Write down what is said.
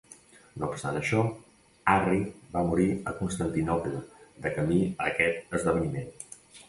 No obstant això, Arri va morir a Constantinoble de camí a aquest esdeveniment